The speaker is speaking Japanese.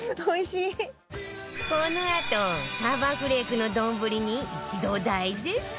このあとさばフレークの丼に一同大絶賛！